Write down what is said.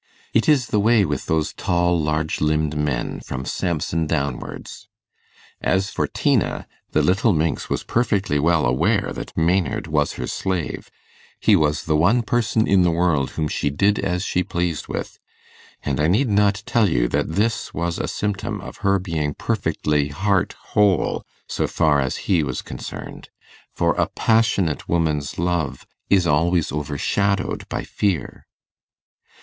It is the way with those tall large limbed men, from Samson downwards. As for Tina, the little minx was perfectly well aware that Maynard was her slave; he was the one person in the world whom she did as she pleased with; and I need not tell you that this was a symptom of her being perfectly heart whole so far as he was concerned: for a passionate woman's love is always overshadowed by fear.